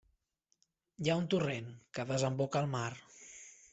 Hi ha un torrent, que desemboca al mar.